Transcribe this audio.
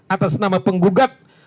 atas nama penggugat